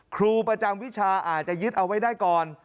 ครูประจำวิชาอาจจะยึดเอาไว้ได้ก่อน